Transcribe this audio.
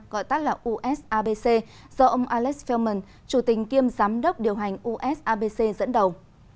gọi tắt là usabc do ông alex feldman chủ tình kiêm giám đốc điều hành usabc dẫn đầu